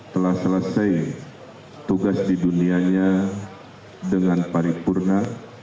telah selesai tugas di dunianya dengan paripurna